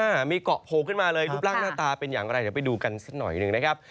อ่ามีเกาะโพขึ้นมาเลยรูปร่างหน้าตาเป็นอย่างไรเดี๋ยวไปดูกันสักหน่อยหนึ่งนะครับ